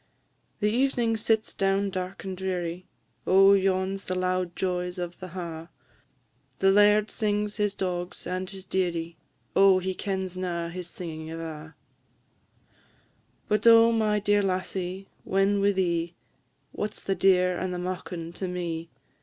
The ev'ning sits down dark and dreary; Oh, yon 's the loud joys of the ha'; The laird sings his dogs and his dearie Oh, he kens na his singin' ava. But oh, my dear lassie, when wi' thee, What 's the deer and the maukin to me?